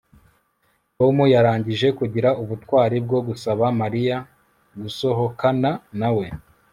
Tom yarangije kugira ubutwari bwo gusaba Mariya gusohokana nawe